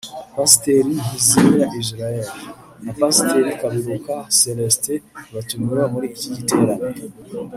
Pasiteri Ntizimira Israel na Pasiteri Kaberuka Celestin batumiwe muri iki giterane